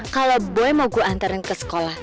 kalau boy mau gue antarin ke sekolah